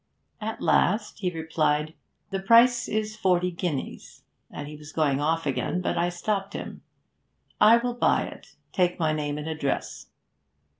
At last he replied, "The price is forty guineas," and he was going off again, but I stopped him. "I will buy it. Take my name and address."